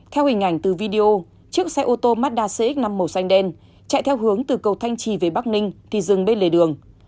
theo hình ảnh từ video chiếc xe ô tô mazda cx năm màu xanh đen chạy theo hướng từ cầu thanh trì về bắc ninh thì dừng bên lề đường